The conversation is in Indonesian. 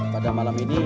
pada malam ini